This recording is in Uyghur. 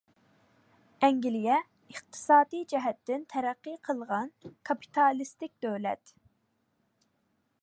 ئەنگلىيە ئىقتىسادىي جەھەتتىن تەرەققىي قىلغان كاپىتالىستىك دۆلەت.